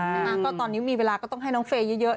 นะคะก็ตอนนี้มีเวลาก็ต้องให้น้องเฟย์เยอะ